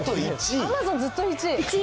アマゾンずっと１位。